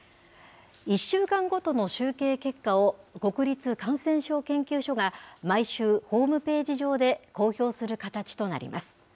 １週間ごとの集計結果を国立感染症研究所が毎週、ホームページ上で公表する形となります。